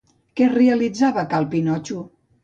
Què realitzava a cal Pinxo?